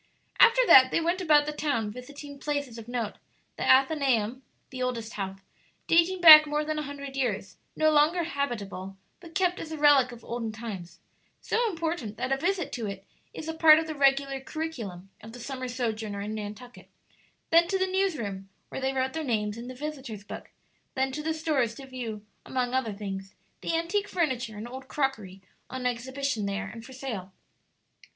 After that they went about the town visiting places of note the Athenaeum, the oldest house, dating back more than a hundred years, no longer habitable, but kept as a relic of olden times, so important that a visit to it is a part of the regular curriculum of the summer sojourner in Nantucket; then to the news room, where they wrote their names in the "Visitors' Book;" then to the stores to view, among other things, the antique furniture and old crockery on exhibition there and for sale.